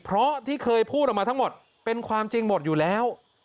เพราะที่เคยพูดออกมาทั้งหมดเป็นความจริงหมดอยู่แล้ว